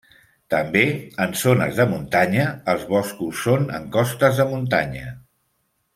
També, en zones de muntanya, els boscos són en costes de muntanya.